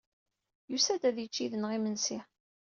Yusa-d ad yečč yid-neɣ imensi.